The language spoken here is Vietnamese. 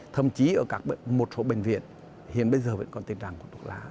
thậm chí ở một số bệnh viện hiện bây giờ vẫn còn tin rằng hút thuốc lá